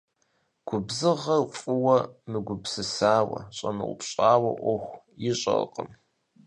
Губзыгъэр фӀыуэ мыгупсысауэ, щӀэмыупщӀауэ Ӏуэху ищӀэркъым.